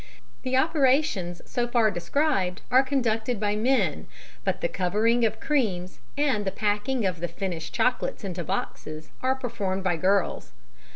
The operations so far described are conducted by men, but the covering of cremes and the packing of the finished chocolates into boxes are performed by girls.